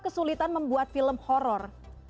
kesulitan membuat film horor